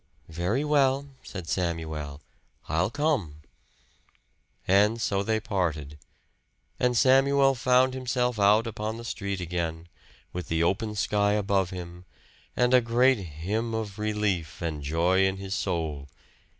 "Very well," said Samuel, "I'll come." And so they parted. And Samuel found himself out upon the street again, with the open sky above him, and a great hymn of relief and joy in his soul.